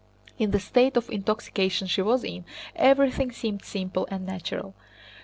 In the state of intoxication she was in, everything seemed simple and natural.